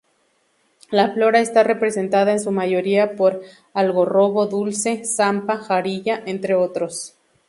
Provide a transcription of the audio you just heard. La flora está representada en su mayoría por algarrobo dulce, zampa, jarilla, entre otros.